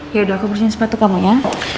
yaudah aku bersihin sepatu kamu ya